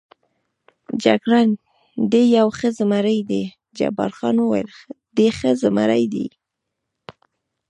جګړن: دی یو ښه زمري دی، جبار خان وویل: دی ښه زمري دی.